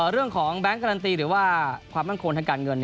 เรื่องของแบงก์การันตีหรือว่าความมั่งควรทางการเงิน